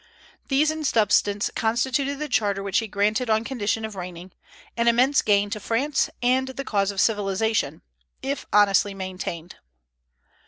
These in substance constituted the charter which he granted on condition of reigning, an immense gain to France and the cause of civilization, if honestly maintained.